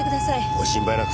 ご心配なく。